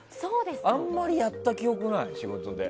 あんまりやった記憶ない、仕事で。